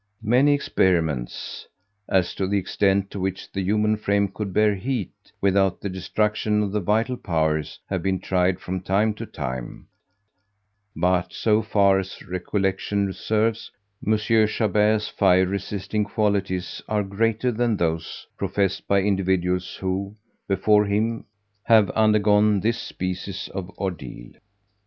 Many experiments, as to the extent to which the human frame could bear heat, without the destruction of the vital powers, have been tried from time to time; but so far as recollection serves, Monsieur Chabert's fire resisting qualities are greater than those professed by individuals who, before him, have undergone this species of ordeal."